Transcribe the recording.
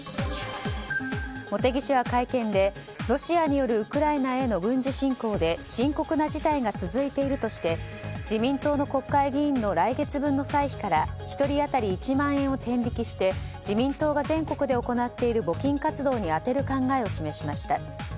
茂木氏は会見でロシアによるウクライナへの軍事侵攻で深刻な事態が続いているとして自民党の国会議員の来月分の歳費から１人当たり１万円を天引きして自民党が全国で行っている募金活動に充てる考えを示しました。